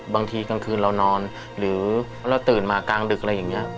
บางทีกลางคืนเรานอนหรือเราตื่นมากลางดึกอะไรอย่างนี้